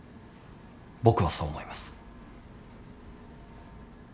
僕はそう思います。